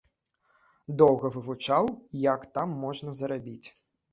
Доўга вывучаў, як там можна зарабіць.